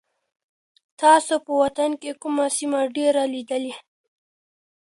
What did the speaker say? تاسو په وطن کي کومه سیمه ډېره لیدلې؟